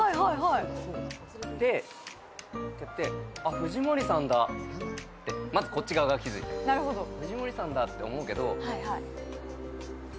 藤森さんだ、まずこっち側が気づいている、藤森さんだって思うけど。